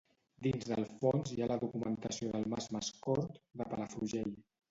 Dins del fons hi ha documentació del mas Mascort, de Palafrugell.